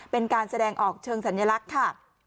เป็นการแสดงออกเชิงสัญลักษณ์ค่ะ